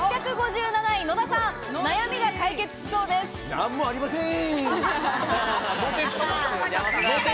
何もありません。